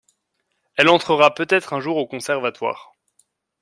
Elle entrera peut-être un jour au conservatoire.